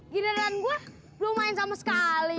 gini radaan saya belum main sama sekali